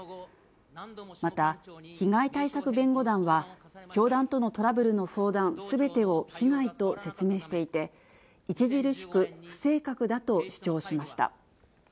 また、被害対策弁護団は、教団とのトラブルの相談すべてを被害と説明していて、著しく不正確だと主張しました。